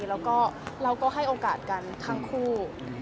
แล้วก็เราก็ให้โอกาสกันทั้งคู่